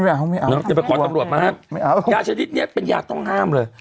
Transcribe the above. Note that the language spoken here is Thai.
ไม่เอาเนอะจะไปขอตำรวจมาห้ามไม่เอายาชนิดเนี้ยเป็นยาต้องห้ามเลย